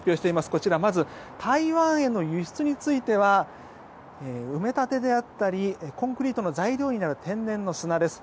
こちらまず、台湾への輸出については埋め立てであったりコンクリートの材料になる天然の砂です。